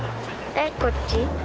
えっこっち。